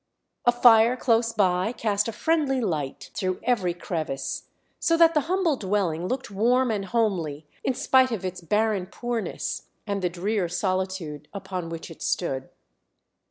A fire close by cast a friendly light through every crevice, so that the humble dwelling looked warm and homely, in spite of its barren poorness and the drear solitude upon which it stood.